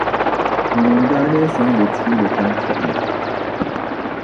ŋuni n-daa lee sɔŋ di tuuli tampuɣili?